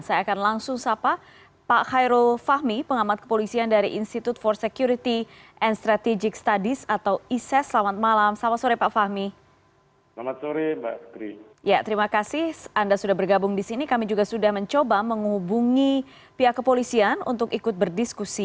saya akan langsung sapa pak khairul fahmi pengamat kepolisian dari institute for security and strategic studies atau iss